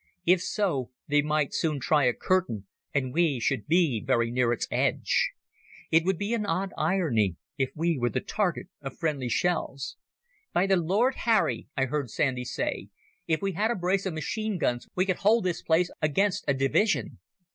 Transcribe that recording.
If so, they might soon try a curtain, and we should be very near its edge. It would be an odd irony if we were the target of friendly shells. "By the Lord Harry," I heard Sandy say, "if we had a brace of machine guns we could hold this place against a division."